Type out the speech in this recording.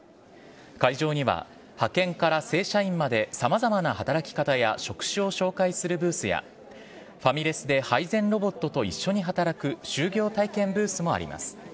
会場には、派遣から正社員までさまざまな働き方や職種を紹介するブースや、ファミレスで配膳ロボットと一緒に働く就業体験ブースもあります。